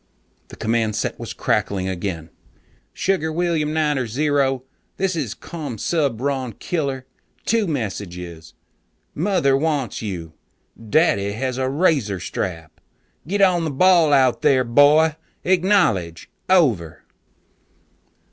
The command set was crackling again. "Sugar William Niner Zero, this is Commsubron Killer. Two messages. Mother wants you. Daddy has a razor strap. Get on the ball out there, boy! Acknowledge. Over."